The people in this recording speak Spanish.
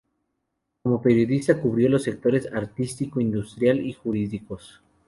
Como periodista cubrió los sectores artístico, industrial y jurídicos.